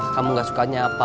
kamu gak sukanya apa